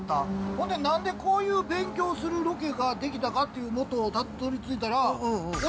ほんで何でこういう勉強するロケができたかっていうモトをたどり着いたら。